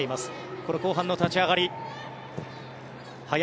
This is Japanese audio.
この後半の立ち上がり。